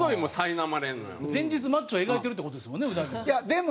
前日マッチョ描いてるって事ですもんね鰻も。